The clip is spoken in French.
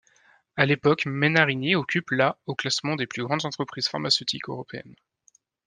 À l'époque, Menarini occupe la au classement des plus grandes entreprises pharmaceutiques européennes.